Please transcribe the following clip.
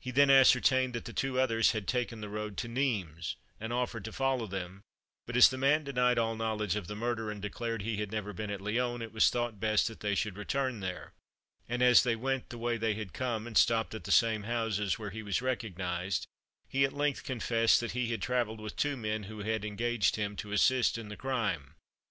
He then ascertained that the two others had taken the road to Nimes, and offered to follow them; but as the man denied all knowledge of the murder, and declared he had never been at Lyons, it was thought best that they should return there; and as they went the way they had come, and stopped at the same houses, where he was recognised, he at length confessed that he had travelled with two men who had engaged him to assist in the crime.